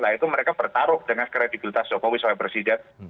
nah itu mereka bertaruh dengan kredibilitas jokowi sebagai presiden